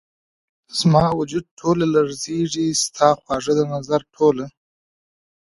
زما وجود ټوله لرزیږې ،ستا خواږه ، دنظر ټوله